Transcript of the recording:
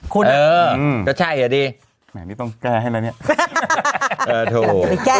คุณเอออืมก็ใช่อ่ะดีแหมนี่ต้องแก้ให้แล้วเนี้ยเออโถไม่แก้